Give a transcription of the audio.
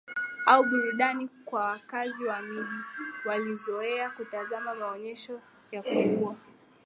au burudani kwa wakazi wa miji Walizoea kutazama maonyesho ya kuua